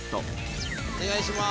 お願いします。